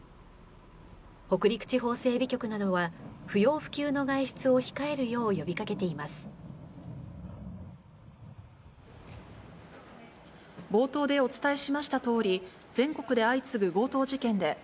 北陸地方整備局などは、不要不急の外出を控えるよう呼びかけています。